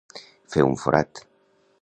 Fer un forat.